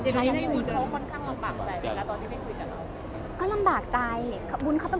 เจนนี่น่าที่วุ้นเขาค่อนข้างลำบากอะไรตอนที่ไปคุยกับเรา